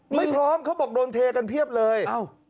ไม่พร้อมเขาบอกโดนเทกันเพียบเลย